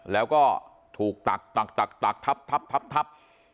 แล้วก็ถูกตักตักทับ